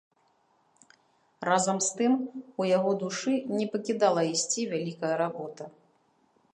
Разам з тым у яго душы не пакідала ісці вялікая работа.